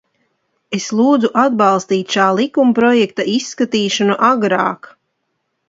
Es lūdzu atbalstīt šā likumprojekta izskatīšanu agrāk.